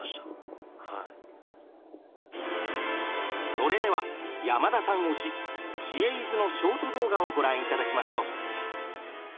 それでは山田さん推し「知恵泉」のショート動画をご覧頂きましょう。